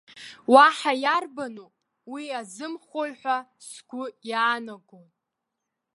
Уаҳа иарбану, уи азымхои ҳәа сгәы иаанагон.